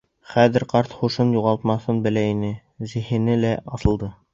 Хәҙер ҡарт һушын юғалтмаҫын белә ине, зиһене лә асылды.